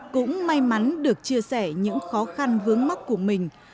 cũng may mắn được chia sẻ những khó khăn vướng mắt của mình